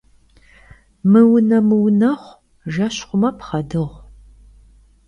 Mıune - mıunexhu, jjeş xhume pxhedığu.